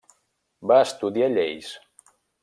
Va estudiar lleis.